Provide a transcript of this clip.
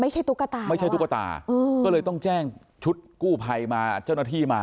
ตุ๊กตาไม่ใช่ตุ๊กตาก็เลยต้องแจ้งชุดกู้ภัยมาเจ้าหน้าที่มา